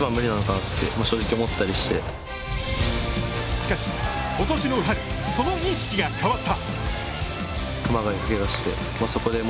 しかし、ことしの春、その意識が変わった。